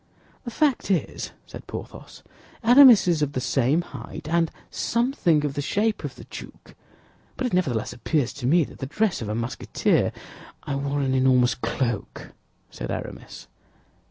"The fact is," said Porthos, "Aramis is of the same height, and something of the shape of the duke; but it nevertheless appears to me that the dress of a Musketeer—" "I wore an enormous cloak," said Aramis.